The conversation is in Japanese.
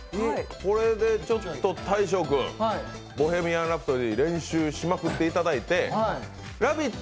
これでちょっと大昇君、「ボヘミアン・ラプソディ」練習しまくっていただいて「ラヴィット！」